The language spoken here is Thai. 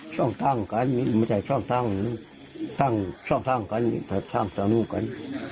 ซ่องทางกันแต่ทางสองตอนนี้กัน